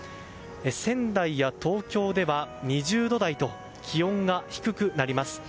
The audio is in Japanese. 仙台や東京では２０度台と気温が低くなります。